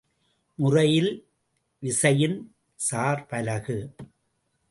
முறையில் விசையின் சார்பலகு.